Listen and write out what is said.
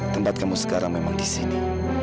tempat kamu sekarang memang di sini